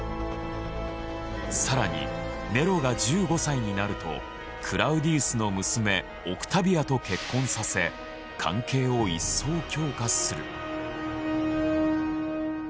更にネロが１５歳になるとクラウディウスの娘オクタビアと結婚させ関係を一層強化する。